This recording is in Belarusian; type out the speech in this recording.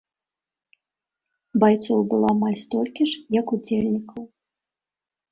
Байцоў было амаль столькі ж, як удзельнікаў.